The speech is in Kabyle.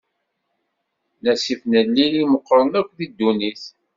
D asif n Nnil i imeqqren akk deg ddunnit.